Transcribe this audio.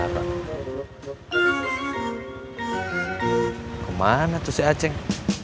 kau kemana tuh si aceng